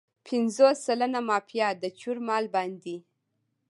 پنځوس سلنه مافیا د چور مال باندې.